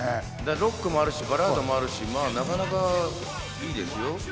ロックもあるし、バラードもあるし、なかなかいいですよ。